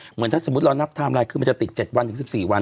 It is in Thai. เหมือนถ้าสมมุติเรานับไทม์ไลน์คือมันจะติด๗วันถึง๑๔วัน